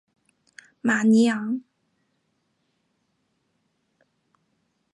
马尼昂。